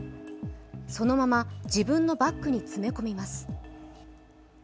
そのまま自分のバッグに詰め込みます。